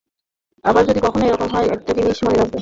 আবার যদি কখনো এ-রকম হয়, একটা জিনিস মনে রাখবে।